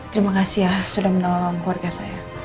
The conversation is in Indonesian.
terima kasih ya sudah menolong keluarga saya